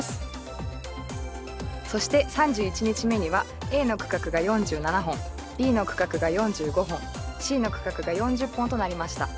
そして３１日目にはＡの区画が４７本Ｂの区画が４５本Ｃの区画が４０本となりました。